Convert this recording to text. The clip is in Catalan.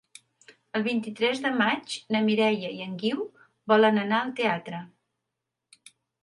El vint-i-tres de maig na Mireia i en Guiu volen anar al teatre.